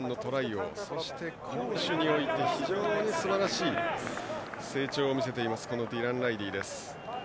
王そして攻守において非常にすばらしい成長を見せていますディラン・ライリーです。